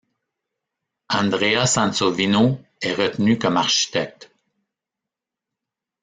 Andrea Sansovino est retenu comme architecte.